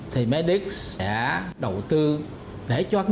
thì medic sẽ đầu tư để cho người dân